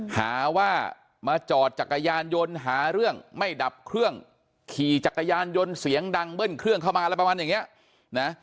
หาว่ามาจอดจักรยานยนต์หาเรื่องไม่ดับเครื่องขี่จักรยานยนต์เสียงดังเมื่อนเครื่องเข้ามา